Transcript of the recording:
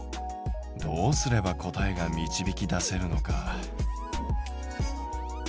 どうすれば答えが導き出せるのか。